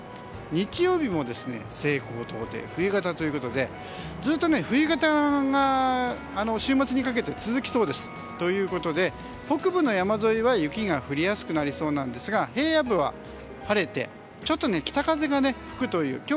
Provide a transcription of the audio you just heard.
日曜日も西高東低、冬型ということでずっと冬型が週末にかけて続きそうですので北部の山沿いは雪が降りやすくなりそうですが平野部は晴れてちょっと北風が吹くという。